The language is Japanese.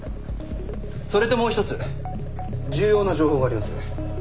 それともう一つ重要な情報があります。